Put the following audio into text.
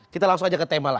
kita langsung aja ke tema lah